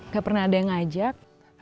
gak pernah ada yang ngajak